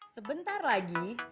sebentar lagi tujuh belas